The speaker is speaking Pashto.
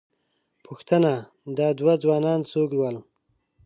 _پوښتنه، دا دوه ځوانان څوک ول؟